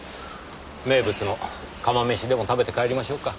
名物の釜飯でも食べて帰りましょうか。